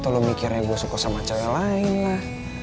lo mikirnya gue suka sama cewek lain lah